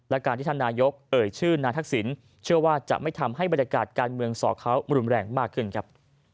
และการที่ท่านนายกเอ่ยชื่อนายทักษิณเชื่อว่าจะไม่ทำให้บรรยากาศการเมืองสอเขารุนแรงมากขึ้นครับ